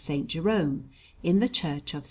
Jerome, in the Church of S.